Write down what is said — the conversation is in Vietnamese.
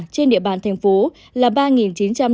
trên địa bàn tp hcm